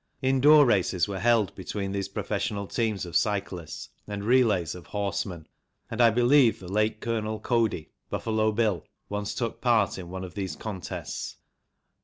Indoor races were held between these professional teams of cyclists and relays of horsemen, and I believe the late Colonel Cody (Buffalo Bill) once took part in one of these contests.